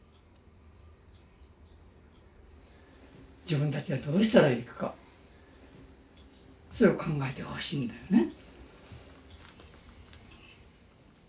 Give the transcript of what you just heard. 自分たちはどうしたらいいかそれを考えてほしいんだよね。